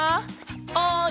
おい！